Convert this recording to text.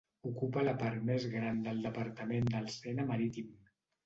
Ocupa la part més gran del departament del Sena Marítim.